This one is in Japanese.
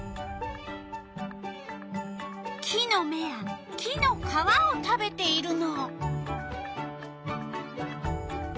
木のめや木の皮を食べているの。